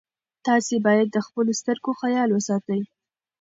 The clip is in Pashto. تاسي باید د خپلو سترګو خیال وساتئ.